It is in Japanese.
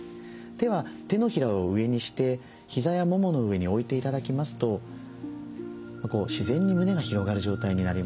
手は手のひらを上にして膝やももの上に置いて頂きますと自然に胸が広がる状態になります。